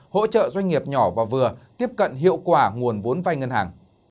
hỗ trợ doanh nghiệp nhỏ và vừa tiếp cận hiệu quả nguồn vốn vay ngân hàng